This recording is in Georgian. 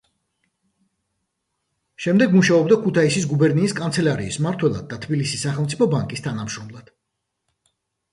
შემდეგ მუშაობდა ქუთაისის გუბერნიის კანცელარიის მმართველად და თბილისის სახელმწიფო ბანკის თანამშრომლად.